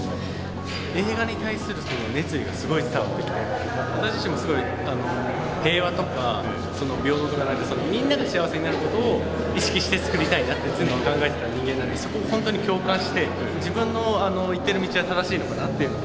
映画に対する熱意がすごい伝わってきて私自身も平和とか平等みんなが幸せになる事を意識してつくりたいなって常に考えてた人間なんでそこほんとに共感して自分の行ってる道は正しいのかなって。